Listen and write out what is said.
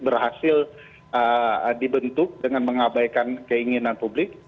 berhasil dibentuk dengan mengabaikan keinginan publik